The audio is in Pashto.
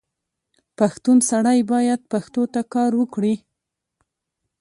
پښتون سړی باید پښتو ته کار وکړي.